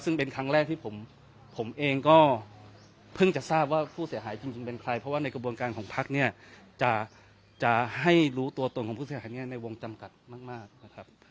ซึ่งเป็นครั้งแรกที่ผมเองก็เพิ่งจะทราบว่าผู้เสียหายจริงเป็นใครเพราะว่าในกระบวนการของพักเนี่ยจะให้รู้ตัวตนของผู้เสียหายเนี่ยในวงจำกัดมากนะครับ